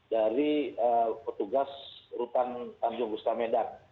dari petugas rutan tanjung gustamedan